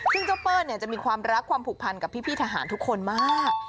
ซึ่งเจ้าเปิ้ลจะมีความรักความผูกพันกับพี่ทหารทุกคนมาก